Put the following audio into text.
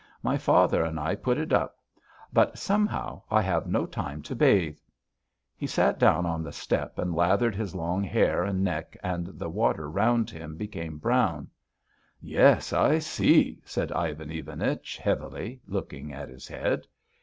My father and I put it up, but somehow I have no time to bathe." He sat down on the step and lathered his long hair and neck, and the water round him became brown. "Yes. I see," said Ivan Ivanich heavily, looking at his head.